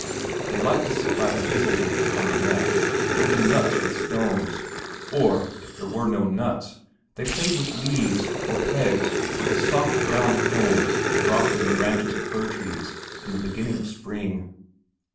They liked to sit by the hazelwoods on the "neck" and open nuts with stones; or, if there were no nuts, they played with leaves or pegs or the soft brown cones that drop from the branches of fir trees in the beginning of spring.